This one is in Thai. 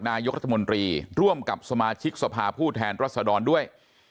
นายกรัฐมนตรีร่วมกับสมาชิกสภาผู้แทนรัศดรด้วย